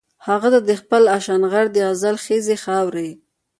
هغه ته د خپل اشنغر د غزل خيزې خاورې